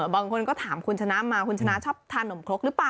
บางคนก็ถามคุณชนะมาคุณชนะชอบทานมครก